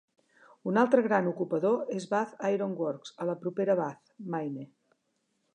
Un altre gran ocupador és Bath Iron Works, a la propera Bath, Maine.